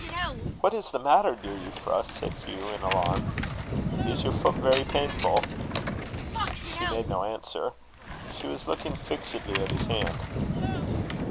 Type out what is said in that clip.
"What is the matter, dear Euphra?" said Hugh, in alarm. "Is your foot very painful?" She made no answer. She was looking fixedly at his hand.